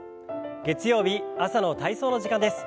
月曜日朝の体操の時間です。